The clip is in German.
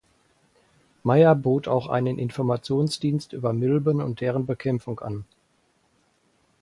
Meyer bot auch einen Informationsdienst über Milben und deren Bekämpfung an.